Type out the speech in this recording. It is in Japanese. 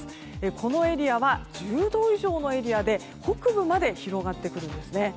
このエリアは１０度以上のエリアで北部まで広がってくるんですね。